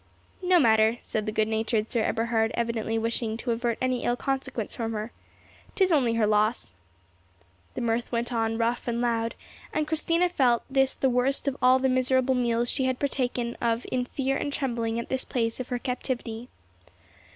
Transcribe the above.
"No matter," said good natured Sir Eberhard, evidently wishing to avert any ill consequence from her. "'Tis only her loss." The mirth went on rough and loud, and Christina felt this the worst of all the miserable meals she had partaken of in fear and trembling at this place of her captivity.